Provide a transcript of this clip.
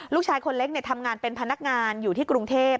ลูกชายคนเล็กทำงานเป็นพนักงานอยู่ที่กรุงเทพ